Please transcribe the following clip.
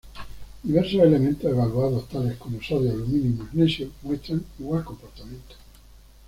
Diversos elementos evaluados tales como sodio, aluminio y magnesio muestran igual comportamiento.